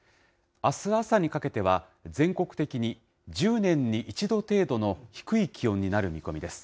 あす朝にかけては全国的に１０年に１度程度の低い気温になる見込みです。